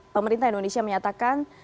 pemerintah indonesia menyatakan